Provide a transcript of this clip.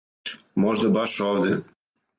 Можда баш овде.